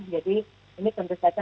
jadi ini tentu saja